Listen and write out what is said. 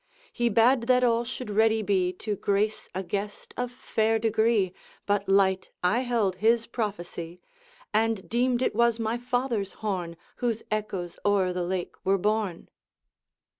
He bade that all should ready be To grace a guest of fair degree; But light I held his prophecy, And deemed it was my father's horn Whose echoes o'er the lake were borne.'